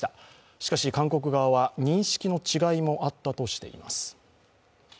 しかし韓国側は認識の違いもあったとしています。